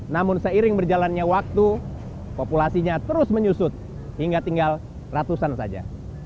namun seiring berjalannya waktu populasinya terus menyusut hingga tinggal ratusan saja